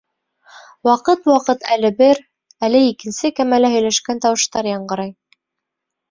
Ваҡыт-ваҡыт әле бер, әле икенсе кәмәлә һөйләшкән тауыштар яңғырай.